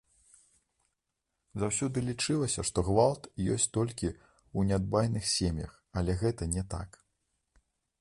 Заўсёды лічылася, што гвалт ёсць толькі ў нядбайных сем'ях, але гэта не так.